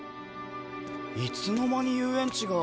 いつの間に遊園地が。